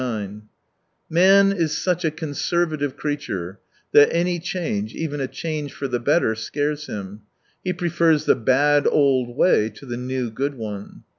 79 Man is such a conservative creature that any change, even a change for the better, scares him, he prefers the bad old way to the new good one.